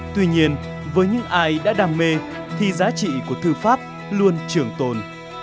tuy nhiên với những ai đã đam mê thì giá trị của thư pháp luôn trường tồn